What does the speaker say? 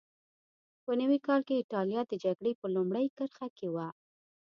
په نوي کال کې اېټالیا د جګړې په لومړۍ کرښه کې وه.